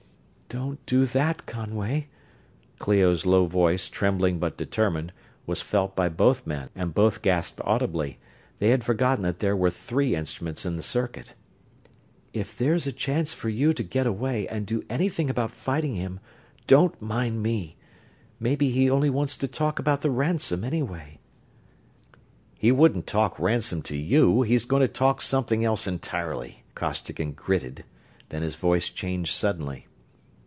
"Don't do that, Conway." Clio's low voice, trembling but determined, was felt by both men and both gasped audibly: they had forgotten that there were three instruments in the circuit. "If there's a chance for you to get away and do anything about fighting him, don't mind me. Maybe he only wants to talk about the ransom, anyway." "He wouldn't talk ransom to you he's going to talk something else entirely," Costigan gritted; then his voice changed suddenly.